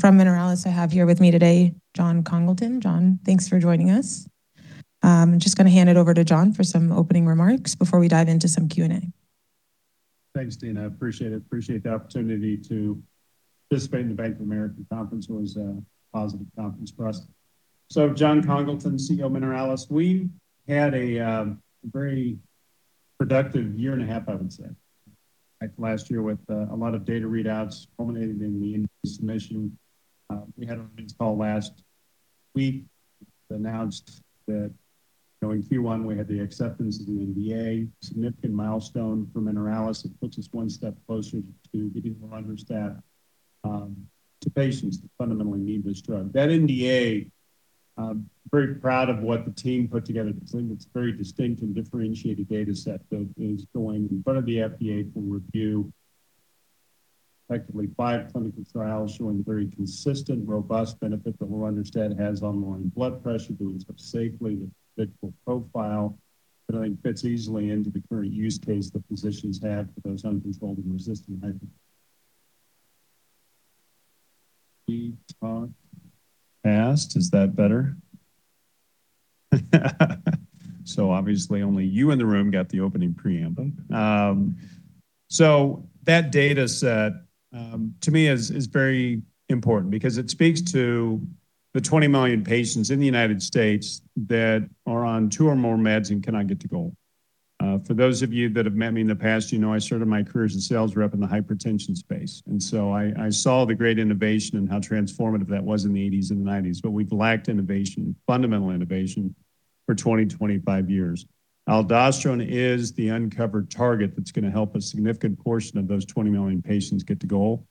From Mineralys, I have here with me today Jon Congleton. Jon, thanks for joining us. Just gonna hand it over to Jon for some opening remarks before we dive into some Q&A. Thanks, Tina. Appreciate it. Appreciate the opportunity to participate in the Bank of America conference. It was a positive conference for us. Jon Congleton, CEO of Mineralys. We had a very productive year and a half, I would say, like last year with a lot of data readouts culminating in the submission. We had our earnings call last week, announced that, you know, in Q1 we had the acceptance of the NDA, significant milestone for Mineralys. It puts us one step closer to getting lorundrostat to patients that fundamentally need this drug. That NDA, I'm very proud of what the team put together. I think it's a very distinct and differentiated data set that is going in front of the FDA for review. Effectively five clinical trials showing very consistent, robust benefit that lorundrostat has on lowering blood pressure, doing so safely with predictable profile that I think fits easily into the current use case that physicians have for those uncontrolled and resistant hyper. We talked past. Is that better? Obviously only you in the room got the opening preamble. That data set, to me is very important because it speaks to the 20 million patients in the United States. that are on two or more meds and cannot get to goal. For those of you that have met me in the past, you know I started my career as a sales rep in the hypertension space, and so I saw the great innovation and how transformative that was in the '80s and '90s. We've lacked innovation, fundamental innovation for 20, 25 years. Aldosterone is the uncovered target that's gonna help a significant portion of those 20 million patients get to goal.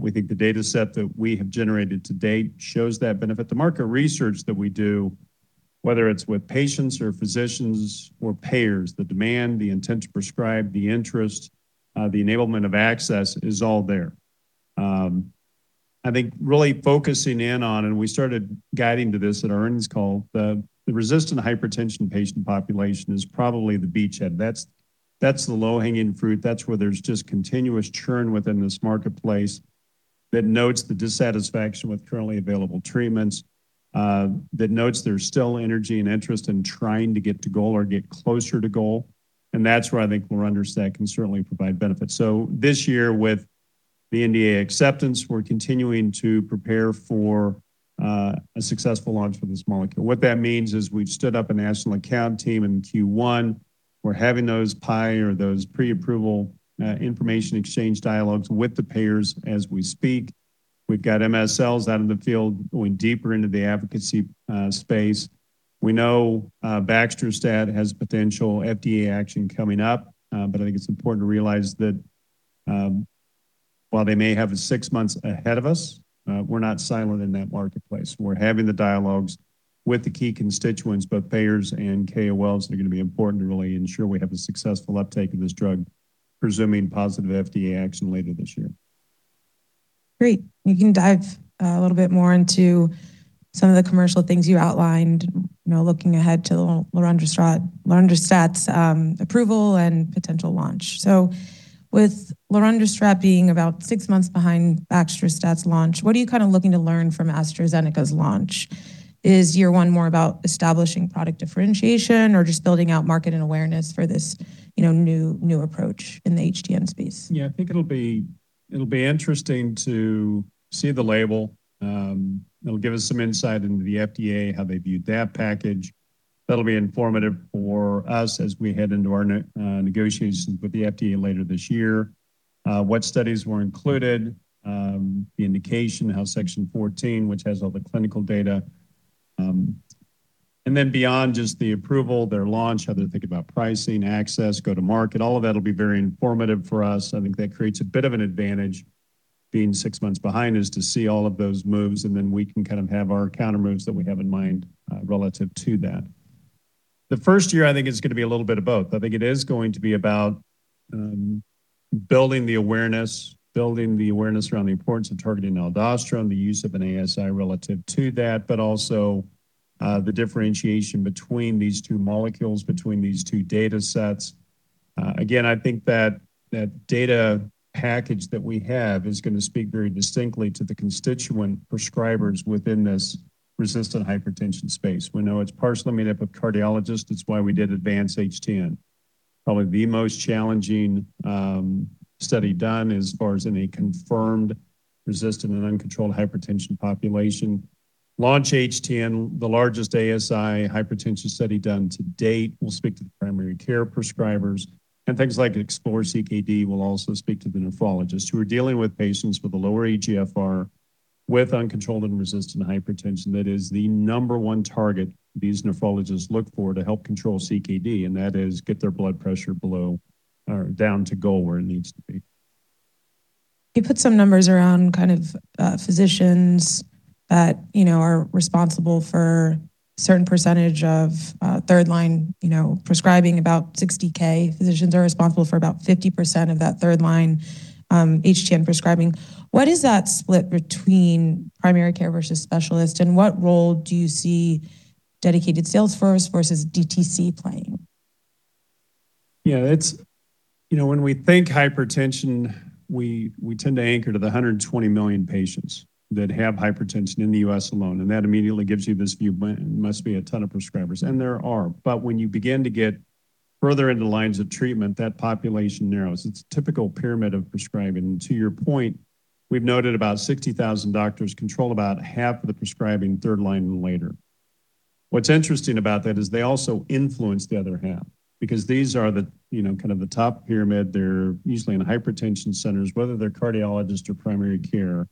We think the data set that we have generated to date shows that benefit. The market research that we do, whether it's with patients or physicians or payers, the demand, the intent to prescribe, the interest, the enablement of access is all there. I think really focusing in on, and we started guiding to this at our earnings call, the resistant hypertension patient population is probably the beachhead. That's the low-hanging fruit. That's where there's just continuous churn within this marketplace that notes the dissatisfaction with currently available treatments, that notes there's still energy and interest in trying to get to goal or get closer to goal, and that's where I think lorundrostat can certainly provide benefits. This year with the NDA acceptance, we're continuing to prepare for a successful launch for this molecule. What that means is we've stood up a national account team in Q1. We're having those PIE or those pre-approval information exchange dialogues with the payers as we speak. We've got MSLs out in the field going deeper into the advocacy space. We know baxdrostat has potential FDA action coming up, but I think it's important to realize that while they may have six months ahead of us, we're not silent in that marketplace. We're having the dialogues with the key constituents, both payers and KOLs. They're gonna be important to really ensure we have a successful uptake of this drug, presuming positive FDA action later this year. Great. You can dive a little bit more into some of the commercial things you outlined, you know, looking ahead to lorundrostat's approval and potential launch. With lorundrostat being about six months behind baxdrostat's launch, what are you kind of looking to learn from AstraZeneca's launch? Is year one more about establishing product differentiation or just building out market and awareness for this, you know, new approach in the HTN space? Yeah. I think it'll be interesting to see the label. It'll give us some insight into the FDA, how they viewed that package. That'll be informative for us as we head into our negotiations with the FDA later this year. What studies were included, the indication, how Section 14, which has all the clinical data, then beyond just the approval, their launch, how they think about pricing, access, go to market, all of that'll be very informative for us. I think that creates a bit of an advantage being six months behind is to see all of those moves, and then we can kind of have our countermoves that we have in mind relative to that. The first year I think is gonna be a little bit of both. I think it is going to be about building the awareness, building the awareness around the importance of targeting aldosterone, the use of an ASI relative to that, but also the differentiation between these two molecules, between these two data sets. Again, I think that that data package that we have is gonna speak very distinctly to the constituent prescribers within this resistant hypertension space. We know it's partially made up of cardiologists. It's why we did Advance-HTN. Probably the most challenging study done as far as any confirmed resistant and uncontrolled hypertension population. Launch-HTN, the largest ASI hypertension study done to date, will speak to the primary care prescribers. Things like Explore-CKD will also speak to the nephrologists who are dealing with patients with a lower eGFR with uncontrolled and resistant hypertension. That is the number one target these nephrologists look for to help control CKD, and that is get their blood pressure below or down to goal where it needs to be. You put some numbers around kind of physicians that, you know, are responsible for certain percentage of third line, you know, prescribing. About 60,000 physicians are responsible for about 50% of that third line HTN prescribing. What is that split between primary care versus specialist, and what role do you see dedicated sales force versus DTC playing? You know, when we think hypertension, we tend to anchor to the 120 million patients that have hypertension in the U.S. alone. That immediately gives you this view, "Man, it must be a ton of prescribers." There are. When you begin to get further into the lines of treatment, that population narrows. It's a typical pyramid of prescribing. To your point, we've noted about 60,000 doctors control about half of the prescribing third-line and later. What's interesting about that is they also influence the other half because these are the, you know, kind of the top pyramid. They're usually in hypertension centers. Whether they're cardiologist or primary care,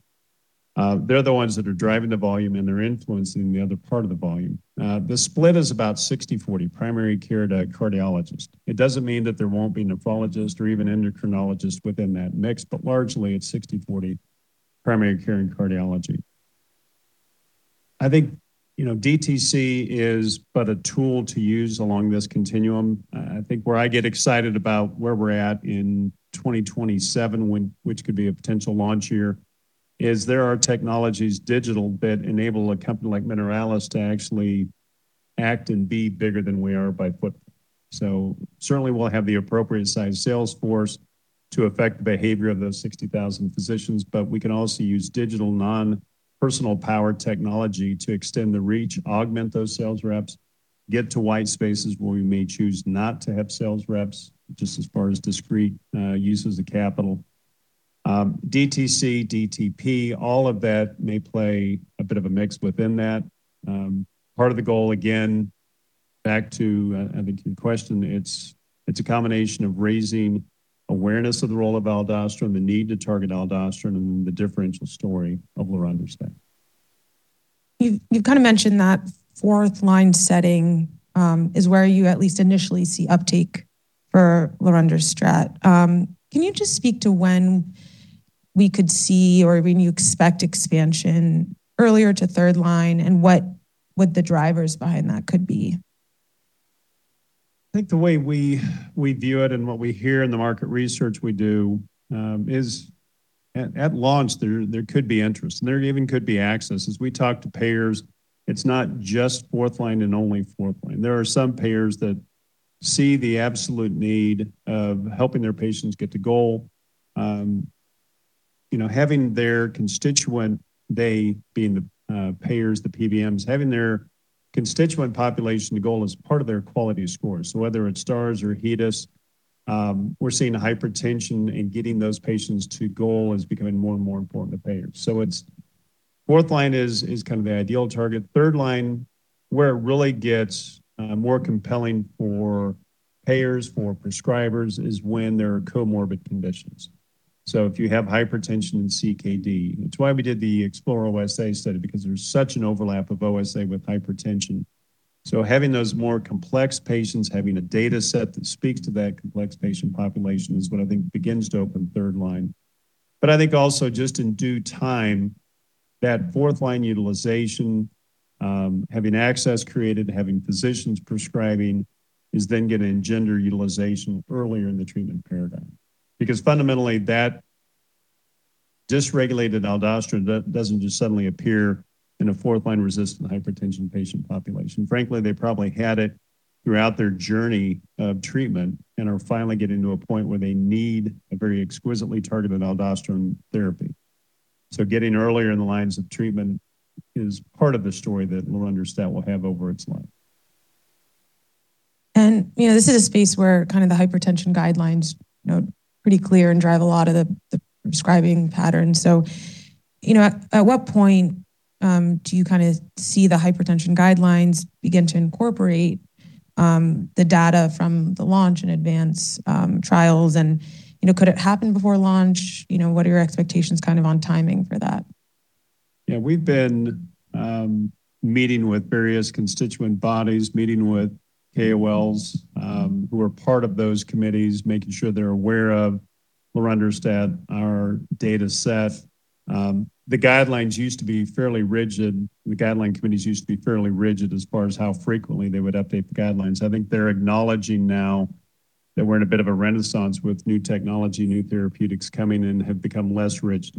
they're the ones that are driving the volume, and they're influencing the other part of the volume. The split is about 60/40 primary care to cardiologist. It doesn't mean that there won't be nephrologist or even endocrinologist within that mix, but largely it's 60/40 primary care and cardiology. I think, you know, DTC is but a tool to use along this continuum. I think where I get excited about where we're at in 2027, which could be a potential launch year, is there are technologies, digital, that enable a company like Mineralys to actually act and be bigger than we are by foot. Certainly we'll have the appropriate sized sales force to affect the behavior of those 60,000 physicians, but we can also use digital non-personal power technology to extend the reach, augment those sales reps, get to white spaces where we may choose not to have sales reps, just as far as discrete use of the capital. DTC, DTP, all of that may play a bit of a mix within that. Part of the goal, again, back to, I think your question, it's a combination of raising awareness of the role of aldosterone, the need to target aldosterone, and the differential story of lorundrostat. You've kind of mentioned that fourth line setting, is where you at least initially see uptake for lorundrostat. Can you just speak to when we could see or when you expect expansion earlier to third line and what the drivers behind that could be? I think the way we view it and what we hear in the market research we do, is at launch there could be interest, and there even could be access. As we talk to payers, it's not just fourth line and only fourth line. There are some payers that see the absolute need of helping their patients get to goal. You know, having their constituent, they being the payers, the PBMs, having their constituent population to goal is part of their quality score. Whether it's Stars or HEDIS, we're seeing hypertension and getting those patients to goal is becoming more and more important to payers. Fourth line is kind of the ideal target. Third line, where it really gets more compelling for payers, for prescribers, is when there are comorbid conditions. If you have hypertension and CKD, which is why we did the Explore-OSA study because there's such an overlap of OSA with hypertension. Having those more complex patients, having a data set that speaks to that complex patient population is what I think begins to open third line. I think also just in due time, that fourth line utilization, having access created, having physicians prescribing, is then going to engender utilization earlier in the treatment paradigm. Fundamentally, that dysregulated aldosterone doesn't just suddenly appear in a fourth line resistant hypertension patient population. Frankly, they probably had it throughout their journey of treatment and are finally getting to a point where they need a very exquisitely targeted aldosterone therapy. Getting earlier in the lines of treatment is part of the story that lorundrostat will have over its life. You know, this is a space where kind of the hypertension guidelines, you know, pretty clear and drive a lot of the prescribing patterns. You know, at what point do you kind of see the hypertension guidelines begin to incorporate the data from the Launch and Advance trials? You know, could it happen before Launch? You know, what are your expectations kind of on timing for that? Yeah. We've been meeting with various constituent bodies, meeting with KOLs, who are part of those committees, making sure they're aware of lorundrostat, our data set. The guidelines used to be fairly rigid. The guideline committees used to be fairly rigid as far as how frequently they would update the guidelines. I think they're acknowledging now that we're in a bit of a renaissance with new technology, new therapeutics coming in, have become less rigid.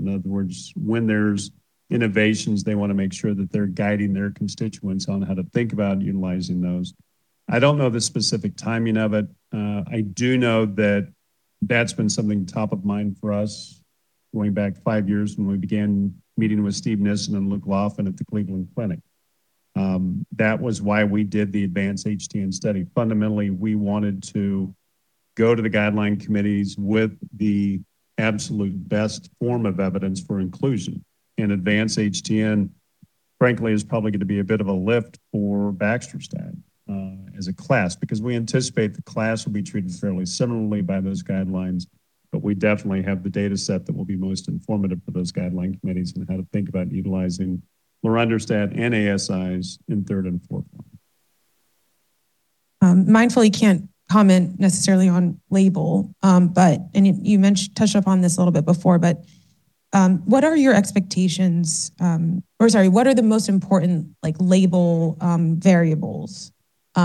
When there's innovations, they want to make sure that they're guiding their constituents on how to think about utilizing those. I don't know the specific timing of it. I do know that that's been something top of mind for us going back five years when we began meeting with Steven Nissen and Luke Laffin at the Cleveland Clinic. That was why we did the Advance-HTN study. Fundamentally, we wanted to go to the guideline committees with the absolute best form of evidence for inclusion. Advance-HTN, frankly, is probably going to be a bit of a lift for baxdrostat as a class because we anticipate the class will be treated fairly similarly by those guidelines. We definitely have the data set that will be most informative for those guideline committees on how to think about utilizing lorundrostat and ASIs in third and fourth line. Mindfully can't comment necessarily on label. You touched upon this a little bit before, what are your expectations, or sorry, what are the most important, like, label variables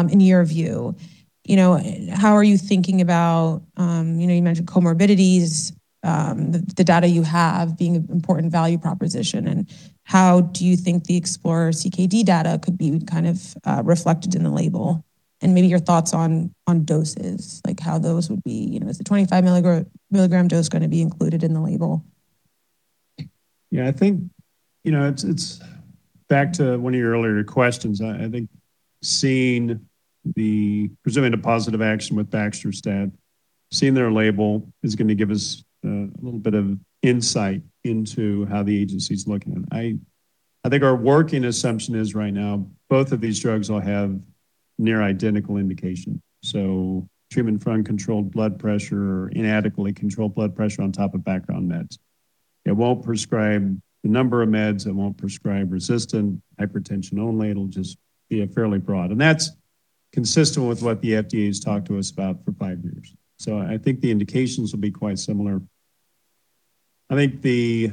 in your view? You know, how are you thinking about? You know, you mentioned comorbidities, the data you have being an important value proposition. How do you think the Explore-CKD data could be reflected in the label? Maybe your thoughts on doses, like how those would be. You know, is the 25 mg dose gonna be included in the label? Yeah, I think, you know, it's back to one of your earlier questions. I think seeing the presuming the positive action with baxdrostat's data, seeing their label is gonna give us a little bit of insight into how the agency's looking. I think our working assumption is right now both of these drugs will have near identical indication. Treatment from uncontrolled blood pressure, inadequately controlled blood pressure on top of background meds. It won't prescribe the number of meds, it won't prescribe resistant hypertension only. It'll just be a fairly broad. That's consistent with what the FDA has talked to us about for five years. I think the indications will be quite similar. I think the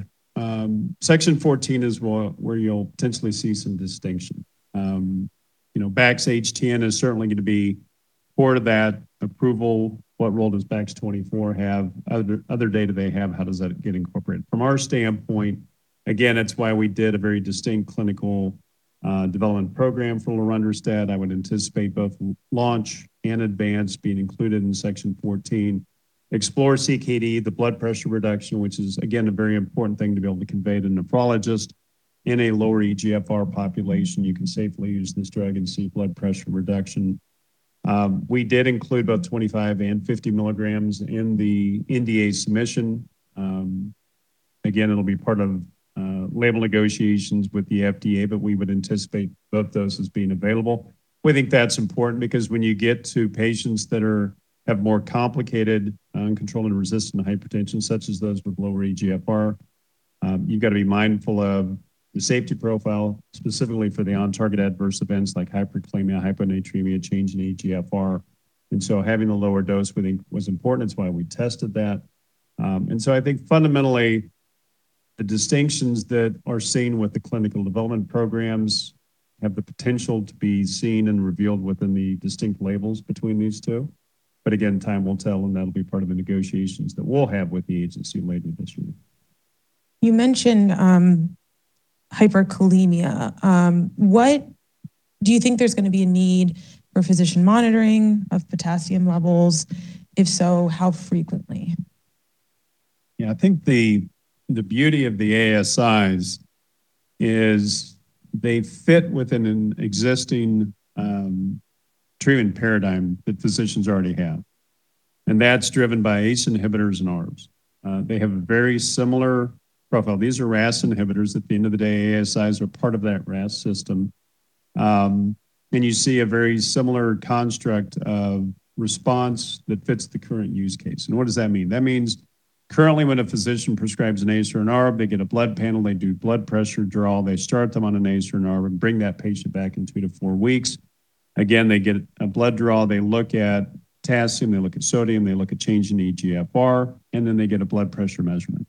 Section 14 is where you'll potentially see some distinction. You know, BaxHTN is certainly gonna be part of that approval. What role does Bax24 have? Other data they have, how does that get incorporated? From our standpoint, again, it's why we did a very distinct clinical development program for lorundrostat. I would anticipate both Launch and Advance being included in Section 14. Explore-CKD, the blood pressure reduction, which is again, a very important thing to be able to convey to nephrologists. In a lower eGFR population, you can safely use this drug and see blood pressure reduction. We did include both 25 and 50 mg in the NDA submission. Again, it'll be part of label negotiations with the FDA, but we would anticipate both those as being available. We think that's important because when you get to patients that have more complicated, uncontrolled and resistant hypertension, such as those with lower eGFR, you gotta be mindful of the safety profile, specifically for the on-target adverse events like hyperkalemia, hyponatremia, change in eGFR. Having a lower dose we think was important. It's why we tested that. I think fundamentally, the distinctions that are seen with the clinical development programs have the potential to be seen and revealed within the distinct labels between these two. Again, time will tell, and that'll be part of the negotiations that we'll have with the agency later this year. You mentioned hyperkalemia. Do you think there's gonna be a need for physician monitoring of potassium levels? If so, how frequently? Yeah. I think the beauty of the ASIs is they fit within an existing treatment paradigm that physicians already have, and that's driven by ACE inhibitors and ARBs. They have a very similar profile. These are RAS inhibitors. At the end of the day, ASIs are part of that RAS system. You see a very similar construct of response that fits the current use case. What does that mean? That means currently, when a physician prescribes an ACE or an ARB, they get a blood panel, they do blood pressure draw, they start them on an ACE or an ARB, and bring that patient back in two to four weeks. Again, they get a blood draw, they look at potassium, they look at sodium, they look at change in eGFR, and then they get a blood pressure measurement.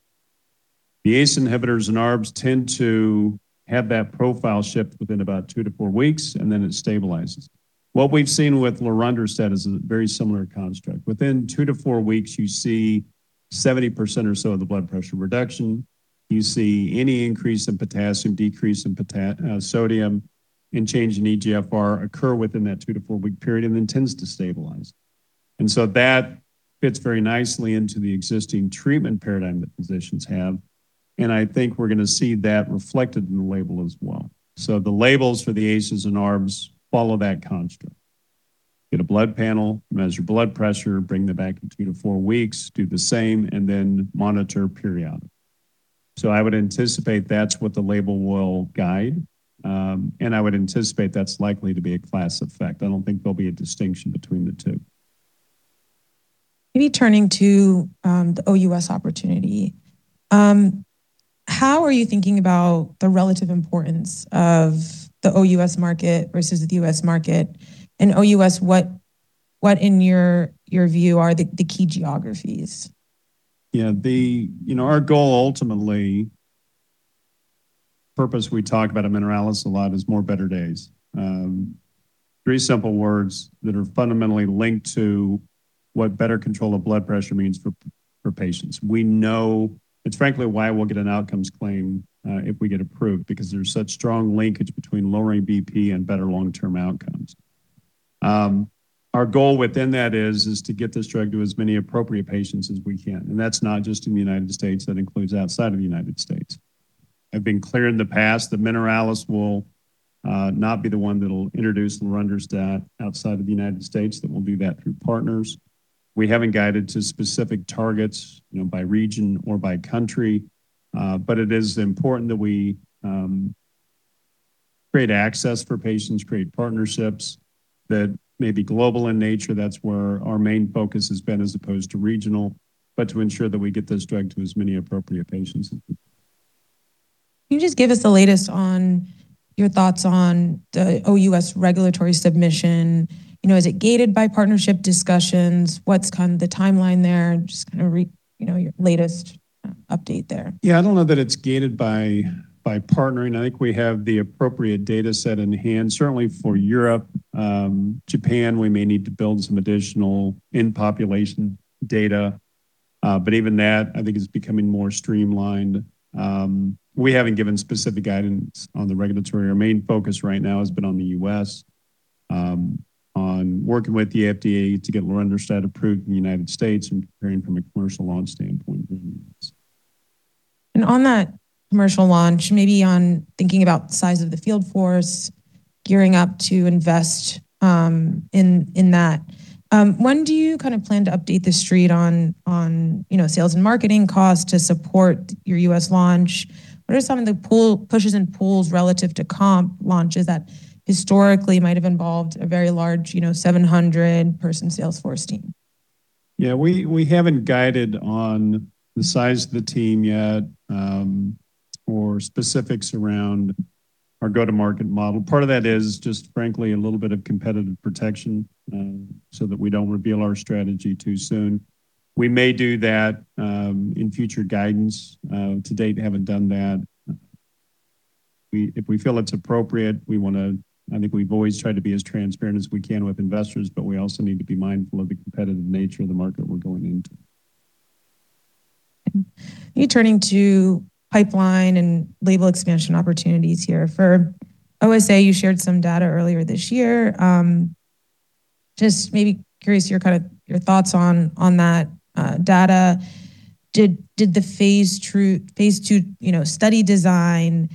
The ACE inhibitors and ARBs tend to have that profile shift within about two to four weeks, and then it stabilizes. What we've seen with lorundrostat is a very similar construct. Within two to four weeks, you see 70% or so of the blood pressure reduction. You see any increase in potassium, decrease in sodium, and change in eGFR occur within that two to four-week period, then tends to stabilize. That fits very nicely into the existing treatment paradigm that physicians have, and I think we're gonna see that reflected in the label as well. The labels for the ACEs and ARBs follow that construct. Get a blood panel, measure blood pressure, bring them back in two to four weeks, do the same, and then monitor periodically. I would anticipate that's what the label will guide, and I would anticipate that's likely to be a class effect. I don't think there'll be a distinction between the two. Maybe turning to, the OUS opportunity. How are you thinking about the relative importance of the OUS market versus the U.S. market? OUS, what in your view, are the key geographies? Yeah. You know, our goal ultimately, purpose we talk about at Mineralys a lot is more better days. Three simple words that are fundamentally linked to what better control of blood pressure means for patients. We know it's frankly why we'll get an outcomes claim if we get approved, because there's such strong linkage between lowering BP and better long-term outcomes. Our goal within that is to get this drug to as many appropriate patients as we can, and that's not just in the United States, that includes outside of the United States. I've been clear in the past that Mineralys will not be the one that'll introduce lorundrostat outside of the United States, that we'll do that through partners. We haven't guided to specific targets, you know, by region or by country, but it is important that we create access for patients, create partnerships that may be global in nature. That's where our main focus has been as opposed to regional, but to ensure that we get this drug to as many appropriate patients as we can. Can you just give us the latest on your thoughts on the OUS regulatory submission? You know, is it gated by partnership discussions? What's kind of the timeline there? Just kinda, you know, your latest update there? I don't know that it's gated by partnering. I think we have the appropriate data set in hand. Certainly for Europe, Japan, we may need to build some additional in-population data, but even that I think is becoming more streamlined. We haven't given specific guidance on the regulatory. Our main focus right now has been on the U.S., on working with the FDA to get lorundrostat approved in the United States and preparing from a commercial launch standpoint within the U.S. On that commercial launch, maybe on thinking about the size of the field force gearing up to invest in that, when do you kind of plan to update the street on, you know, sales and marketing costs to support your U.S. launch? What are some of the pushes and pulls relative to comp launches that historically might have involved a very large, you know, 700 person sales force team? Yeah, we haven't guided on the size of the team yet, or specifics around our go-to-market model. Part of that is just frankly a little bit of competitive protection, so that we don't reveal our strategy too soon. We may do that in future guidance. To date, we haven't done that. If we feel it's appropriate, I think we've always tried to be as transparent as we can with investors, but we also need to be mindful of the competitive nature of the market we're going into. Okay. Me turning to pipeline and label expansion opportunities here. For OSA, you shared some data earlier this year. Just maybe curious your kind of, your thoughts on that data. Did the phase II study design,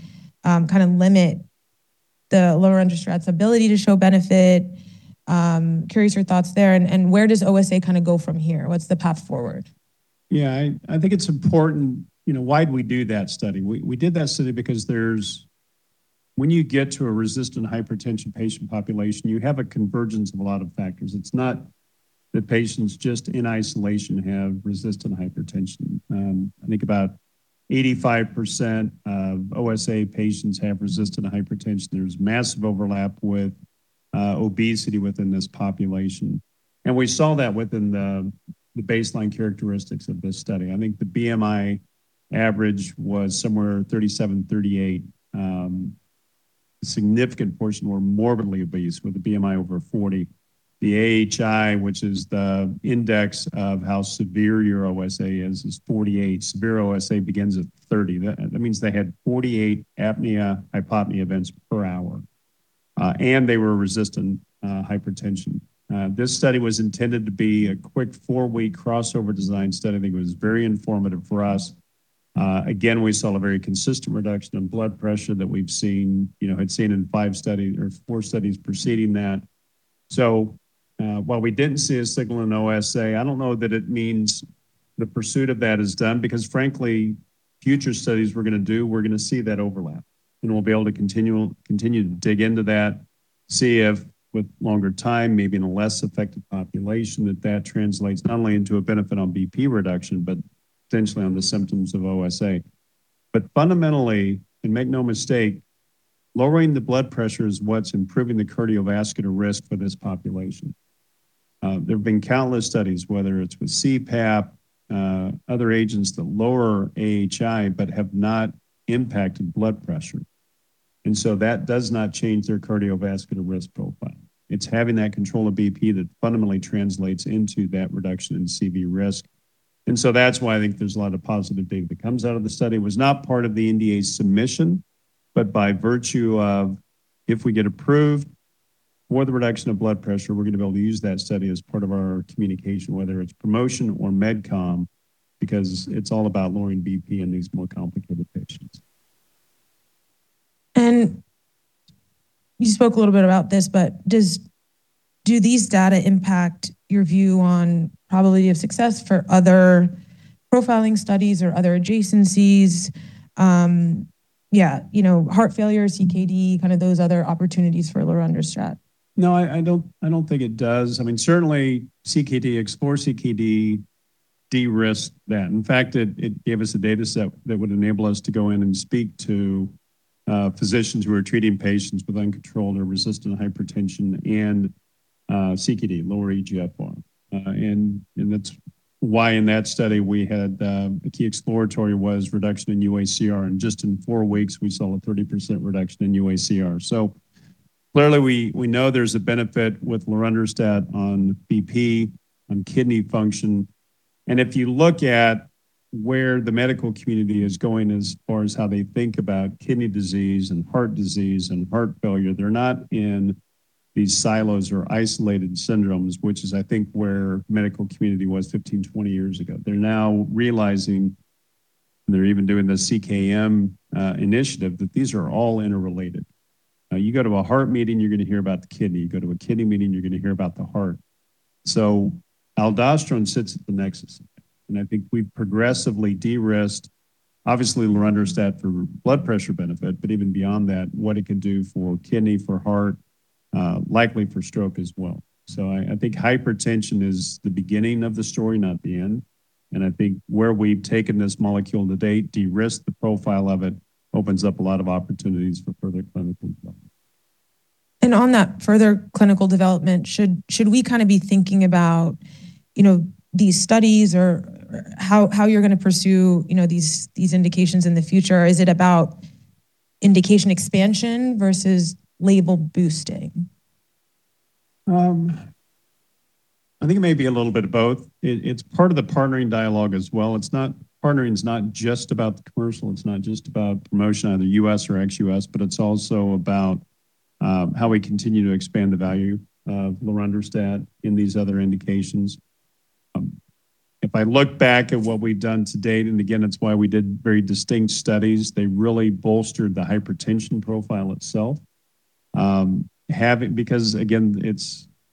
you know, kind of limit the lorundrostat's ability to show benefit? Curious your thoughts there, and where does OSA kind of go from here? What's the path forward? I think it's important, you know, why'd we do that study? We did that study because when you get to a resistant hypertension patient population, you have a convergence of a lot of factors. It's not that patients just in isolation have resistant hypertension. I think about 85% of OSA patients have resistant hypertension. There's massive overlap with obesity within this population, and we saw that within the baseline characteristics of this study. I think the BMI average was somewhere 37, 38. A significant portion were morbidly obese with a BMI over 40. The AHI, which is the index of how severe your OSA is 48. Severe OSA begins at 30. That means they had 48 apnea hypopnea events per hour, and they were resistant hypertension. This study was intended to be a quick four-week crossover design study. I think it was very informative for us. Again, we saw a very consistent reduction in blood pressure that we've seen, you know, had seen in five studies or four studies preceding that. While we didn't see a signal in OSA, I don't know that it means the pursuit of that is done because frankly, future studies we're gonna do, we're gonna see that overlap, and we'll be able to continue to dig into that, see if with longer time, maybe in a less affected population, that that translates not only into a benefit on BP reduction, but potentially on the symptoms of OSA. Fundamentally, and make no mistake, lowering the blood pressure is what's improving the cardiovascular risk for this population. There have been countless studies, whether it's with CPAP, other agents that lower AHI but have not impacted blood pressure. That does not change their cardiovascular risk profile. It's having that control of BP that fundamentally translates into that reduction in CV risk. That's why I think there's a lot of positive data that comes out of the study. It was not part of the NDA submission, but by virtue of if we get approved for the reduction of blood pressure, we're gonna be able to use that study as part of our communication, whether it's promotion or MedCom, because it's all about lowering BP in these more complicated patients. You spoke a little bit about this, but do these data impact your view on probability of success for other profiling studies or other adjacencies? Yeah, you know, heart failure, CKD, kind of those other opportunities for lorundrostat. No, I don't think it does. I mean, certainly CKD, Explore-CKD de-risked that. In fact, it gave us a dataset that would enable us to go in and speak to physicians who are treating patients with uncontrolled or resistant hypertension and CKD, lower eGFR. That's why in that study we had a key exploratory was reduction in UACR, and just in four weeks we saw a 30% reduction in UACR. Clearly we know there's a benefit with lorundrostat on BP, on kidney function. If you look at where the medical community is going as far as how they think about kidney disease and heart disease and heart failure, they're not in these silos or isolated syndromes, which is I think where medical community was 15, 20 years ago. They're now realizing, and they're even doing the CKM initiative, that these are all interrelated. You go to a heart meeting, you're gonna hear about the kidney. You go to a kidney meeting, you're gonna hear about the heart. Aldosterone sits at the nexus, and I think we progressively de-risked, obviously lorundrostat for blood pressure benefit, but even beyond that, what it can do for kidney, for heart, likely for stroke as well. I think hypertension is the beginning of the story, not the end. I think where we've taken this molecule to date, de-risked the profile of it, opens up a lot of opportunities for further clinical development. On that further clinical development, should we kind of be thinking about, you know, these studies or how you're gonna pursue, you know, these indications in the future? Is it about indication expansion versus label boosting? I think it may be a little bit of both. It's part of the partnering dialogue as well. Partnering is not just about the commercial, it's not just about promotion, either U.S. or ex-U.S., but it's also about how we continue to expand the value of lorundrostat in these other indications. If I look back at what we've done to date, and again, it's why we did very distinct studies, they really bolstered the hypertension profile itself. Because again,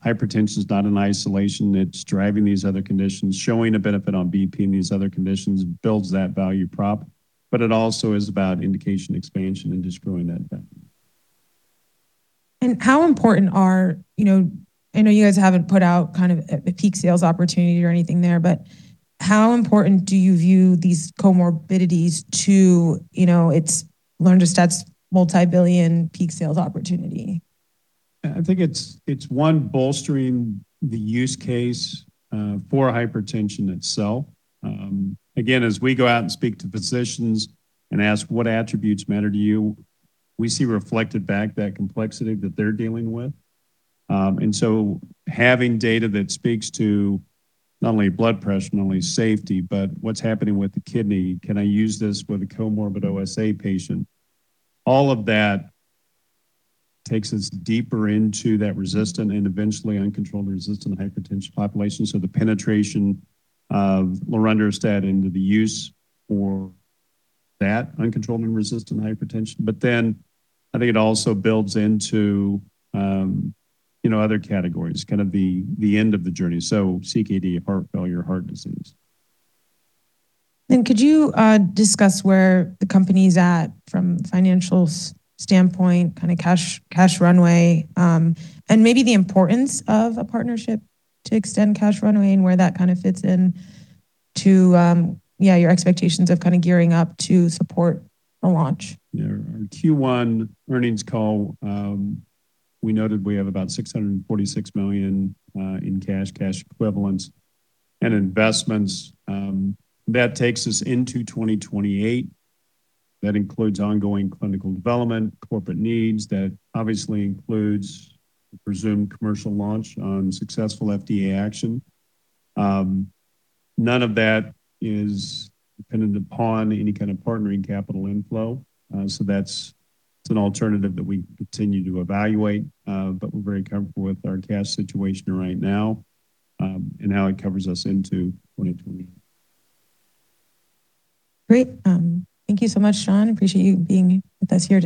hypertension is not in isolation. It's driving these other conditions. Showing a benefit on BP in these other conditions builds that value prop, but it also is about indication, expansion, and just growing that value. How important are, you know I know you guys haven't put out kind of a peak sales opportunity or anything there, but how important do you view these comorbidities to, you know, its lorundrostat's multi-billion peak sales opportunity? I think it's one, bolstering the use case for hypertension itself. Again, as we go out and speak to physicians and ask what attributes matter to you, we see reflected back that complexity that they're dealing with. Having data that speaks to not only blood pressure, not only safety, but what's happening with the kidney? Can I use this with a comorbid OSA patient? All of that takes us deeper into that resistant and eventually uncontrolled resistant hypertension population. The penetration of lorundrostat into the use for that uncontrolled and resistant hypertension. I think it also builds into, you know, other categories, kind of the end of the journey. CKD, heart failure, heart disease. Could you discuss where the company's at from financial standpoint, kind of cash runway, and maybe the importance of a partnership to extend cash runway and where that kind of fits in to, yeah, your expectations of kind of gearing up to support a launch? Yeah. Our Q1 earnings call, we noted we have about $646 million in cash equivalents and investments. That takes us into 2028. That includes ongoing clinical development, corporate needs. That obviously includes the presumed commercial launch on successful FDA action. None of that is dependent upon any kind of partnering capital inflow. It's an alternative that we continue to evaluate, but we're very comfortable with our cash situation right now, and how it covers us into 2020. Great. Thank you so much, Jon. Appreciate you being with us here today